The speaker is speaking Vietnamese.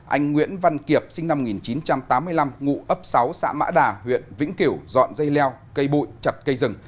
anh nguyễn văn kiệp sinh năm một nghìn chín trăm tám mươi năm ngụ ấp sáu xã mã đà huyện vĩnh kiểu dọn dây leo cây bụi chặt cây rừng